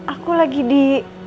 aku lagi di